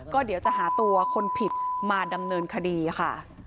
ก็เดี๋ยวจะหาตัวคนผิดมาดำเนินคดีค่ะ